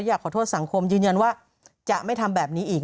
อยากขอโทษสังคมยืนยันว่าจะไม่ทำแบบนี้อีก